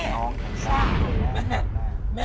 แม่แม่